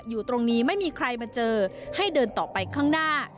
อยู่ตรงนี้ไม่มีใครมาเจอให้เดินต่อไปข้างหน้า